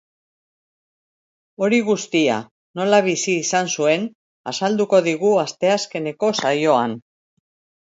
Hori guztia nola bizi izan zuen azalduko digu asteazkeneko saioan.